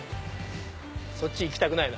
そっち行きたくないな。